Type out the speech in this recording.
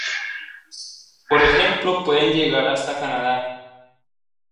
Por ejemplo pueden llegar hasta Canadá.